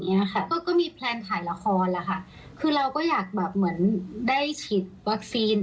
ก็มีแพลนถ่ายละครแหละค่ะคือเราก็อยากแบบเหมือนได้ฉีดวัคซีน